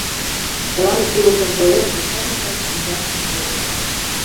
Чылан шӱлышым тоен Эчан ӱмбач шинчаштым огыт нал.